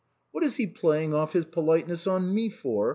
" What is he playing off his politeness on me for